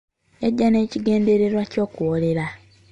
Yajja n'ekigendererwa eky'okuwoolera.